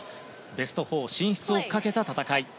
ベスト４進出をかけた戦い。